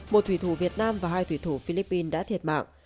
một thủy thủ việt nam và hai thủy thủ philippines đã thiệt mạng